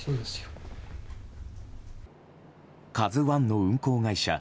「ＫＡＺＵ１」の運航会社